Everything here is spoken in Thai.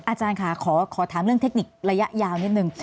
อาจารย์ค่ะขอถามเรื่องเทคนิคระยะยาวนิดนึง